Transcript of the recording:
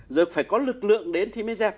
rồi phải có lực lượng đến thì mới dẹp